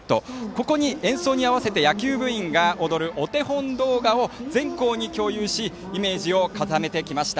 ここに演奏に合わせて野球部員が踊るお手本動画を全校に共有しイメージを固めてきました。